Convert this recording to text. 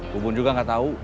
bu bun juga enggak tahu